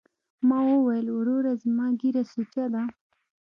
ما وويل وروره زما ږيره سوچه ده.